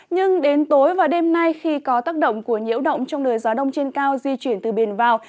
nhưng đến tối và đêm nay khi có tác động của nhiễu động trong đời gió đông trên cao di chuyển từ bền vào